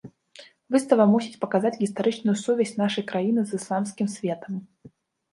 Выстава мусіць паказаць гістарычную сувязь нашай краіны з ісламскім светам.